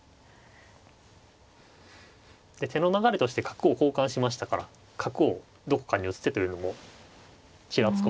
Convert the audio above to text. で手の流れとして角を交換しましたから角をどこかに打つ手というのもちらつくわけです。